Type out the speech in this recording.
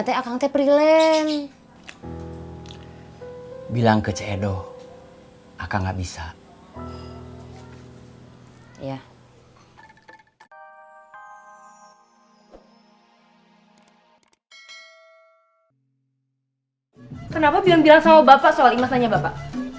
kenapa belum bilang sama bapak soal imaz nanya bapak